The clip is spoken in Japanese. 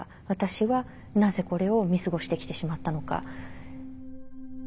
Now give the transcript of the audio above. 私はなぜこれを見過ごしてきてしまったのか。